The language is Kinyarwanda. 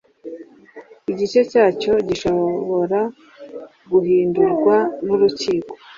igice cyacyo gishobora guhindurwa n urukiko